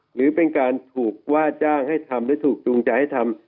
หรือเป็นการถูกว่าจ้างให้ทำและถูกจูงใจให้ทำ